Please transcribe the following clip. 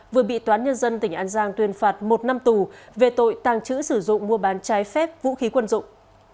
vừa bị toán nhân dân tỉnh an giang tuyên phạt một năm tù về tội tàng trữ sử dụng mua bán trái phép vũ khí quân dụng